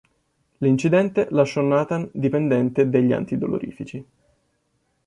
L'incidente lasciò Nathan dipendente degli antidolorifici.